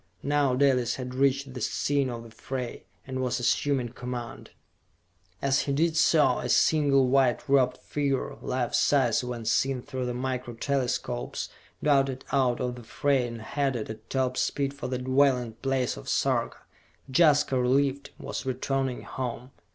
Now Dalis had reached the scene of the fray, and was assuming command. As he did so a single white robed figure, life size when seen through the Micro Telescopes, darted out of the fray and headed at top speed for the dwelling place of Sarka. Jaska, relieved, was returning home!